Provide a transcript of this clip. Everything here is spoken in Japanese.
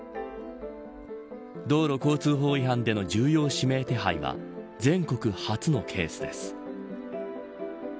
道路交通法違反での重要指名手配は全国初のケースです。